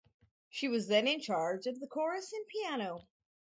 She was then in charge of the chorus and piano.